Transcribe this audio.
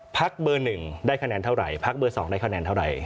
พักเบอร์๑ได้คะแนนเท่าไหร่พักเบอร์๒ได้คะแนนเท่าไหร่